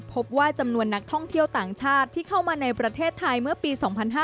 พบว่าจำนวนนักท่องเที่ยวต่างชาติที่เข้ามาในประเทศไทยเมื่อปี๒๕๕๙